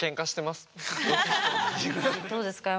どうですか？